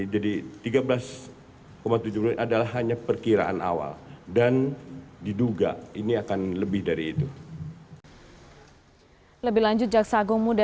jadi tiga belas tujuh triliun adalah hanya perkiraan awal dan diduga ini akan lebih dari itu